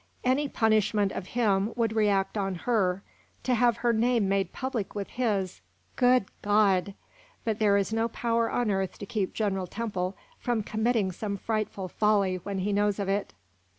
"Any punishment of him would react on her to have her name made public with his Good God! But there is no power on earth to keep General Temple from committing some frightful folly when he knows of it."